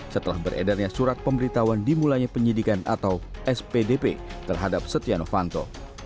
setelah beredarnya surat pemberitahuan dimulainya penyidikan atau spdp terhadap setia novanto